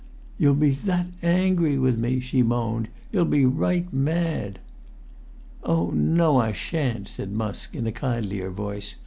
"You'll be that angry with me," she moaned; "you'll be right mad!" "Oh, no, I sha'n't," said Musk, in a kindlier voice.